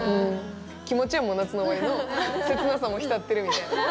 気持ちはもう夏の終わりの切なさを浸ってるみたいな。